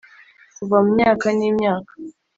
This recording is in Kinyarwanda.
kuva mu myaka n'imyaka